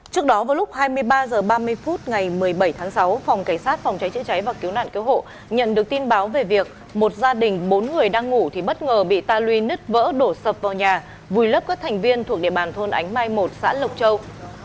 trước đó vào lúc hai mươi ba h ba mươi phút ngày một mươi bảy tháng sáu phòng cảnh sát phòng cháy chữa cháy và cứu nạn cứu hộ nhận được tin báo về việc một gia đình bốn người đang ngủ thì bất ngờ bị ta luy nứt vỡ đổ sập vào nhà vùi lấp các thành viên thuộc địa bàn thôn ánh mai một xã lộc châu